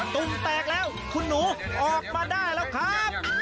ตุ่มแตกแล้วคุณหนูออกมาได้แล้วครับ